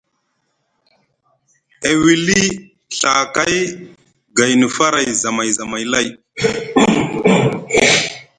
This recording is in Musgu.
E wili Ɵaakay gayni faray zamay zamay lay.